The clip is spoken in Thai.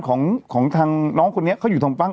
ของของทางน้องคนนี้เขาอยู่ทางฝั่ง